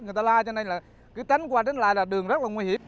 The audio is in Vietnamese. người ta la cho nên là cứ tránh qua tránh lại là đường rất là nguy hiểm